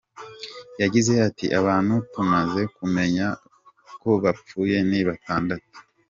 Yagize ati “Abantu tumaze kumenya ko bapfuye ni batandatu.